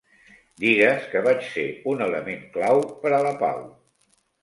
Digues que vaig ser un element clau per a la pau.